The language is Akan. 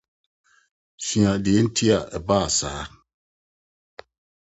Sua nea enti a ɛbaa saa.